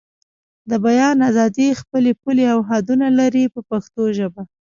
د بیان ازادي خپلې پولې او حدونه لري په پښتو ژبه.